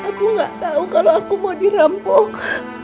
aku nggak tahu kalau aku mau dirampok